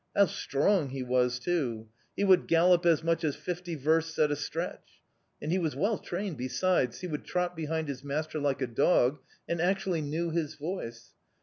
How strong he was too! He would gallop as much as fifty versts at a stretch! And he was well trained besides he would trot behind his master like a dog, and actually knew his voice!